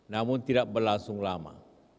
namun tidak berlangsung lama